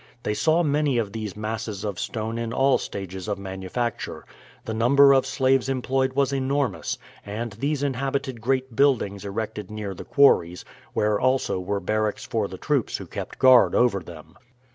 They saw many of these masses of stone in all stages of manufacture. The number of slaves employed was enormous, and these inhabited great buildings erected near the quarries, where also were barracks for the troops who kept guard over them.